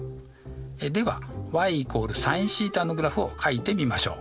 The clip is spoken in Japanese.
ではｙ＝ｓｉｎθのグラフをかいてみましょう。